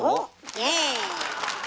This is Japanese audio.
イエーイ。